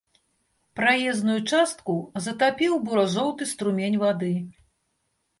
Праезную частку затапіў бура-жоўты струмень вады.